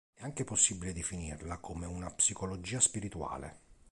È anche possibile definirla come una "psicologia spirituale".